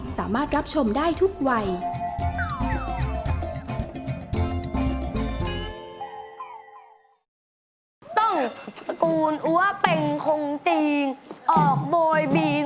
สามารถรับชมได้ทุกวัย